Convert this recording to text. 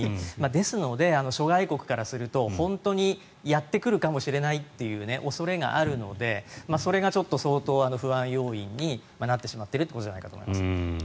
ですので、諸外国からすると本当にやってくるかもしれないという恐れがあるのでそれが相当、不安要因になってしまっているということじゃないかと思います。